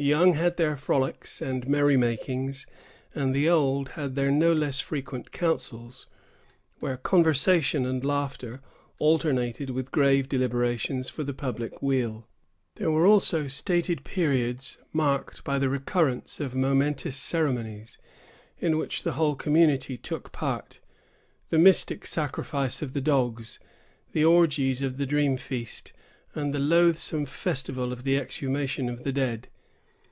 The young had their frolics and merry makings, and the old had their no less frequent councils, where conversation and laughter alternated with grave deliberations for the public weal. There were also stated periods marked by the recurrence of momentous ceremonies, in which the whole community took part——the mystic sacrifice of the dogs, the orgies of the dream feast, and the loathsome festival of the exhumation of the dead.